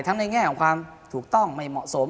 ในแง่ของความถูกต้องไม่เหมาะสม